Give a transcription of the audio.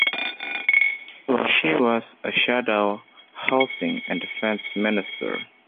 She was a shadow Housing and Defence Minister.